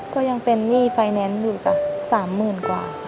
ก็ยังเป็นหนี้ไฟแนนซ์อยู่จ้ะ๓๐๐๐กว่าค่ะ